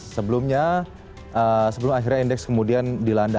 sebelumnya sebelum akhirnya indeks kemudian dilanda